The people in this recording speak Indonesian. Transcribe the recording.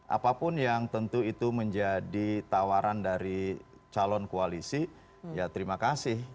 apapun yang tentu itu menjadi tawaran dari calon koalisi ya terima kasih